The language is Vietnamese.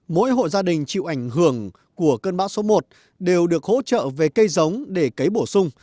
mỗi hộ gia đình chịu ảnh hưởng của cơn bão số một đều được hỗ trợ về cây giống để cấy bổ sung